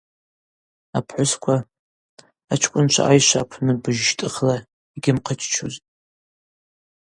Апхӏвысква, ачкӏвынчва айшва апны быжь щтӏыхла йгьымхъыччузтӏ.